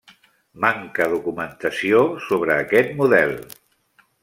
Manca documentació sobre aquest model.